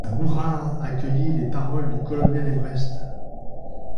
Un hurrah accueillit les paroles du colonel Everest.